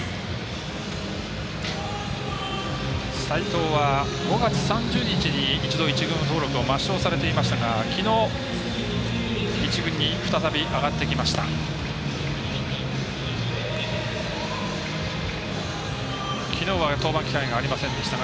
齋藤は、５月３０日に一度一軍登録を抹消されていましたがきのう、１軍に再び上がってきました。